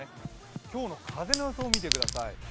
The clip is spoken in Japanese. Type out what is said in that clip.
今日の風の予想を見てください。